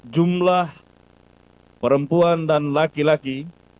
jumlah perempuan dan laki laki satu tujuh lima enam tujuh enam satu